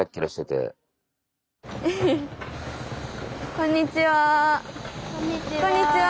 こんにちは。